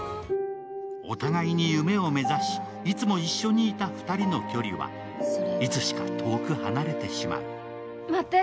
お互いに夢を目指しいつも一緒にいた２人の距離はいつしか遠く離れてしまう。